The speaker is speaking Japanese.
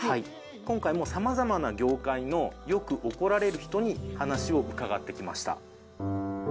今回も様々な業界のよく怒られる人に話を伺ってきました。